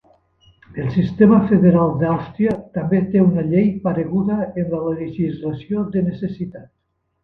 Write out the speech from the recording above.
El sistema federal d'Àustria també té una llei pareguda en la legislació de necessitat.